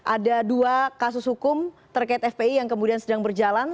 ada dua kasus hukum terkait fpi yang kemudian sedang berjalan